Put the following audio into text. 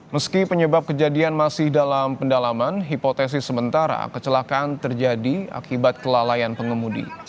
meski penyebab kejadian masih dalam pendalaman hipotesi sementara kecelakaan terjadi akibat kelalaian pengemudi